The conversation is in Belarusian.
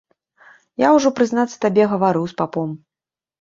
Я ўжо, прызнацца табе, гаварыў з папом.